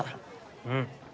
うん。